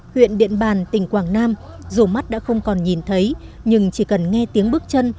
huyện điện bàn tỉnh quảng nam dù mắt đã không còn nhìn thấy nhưng chỉ cần nghe tiếng bước chân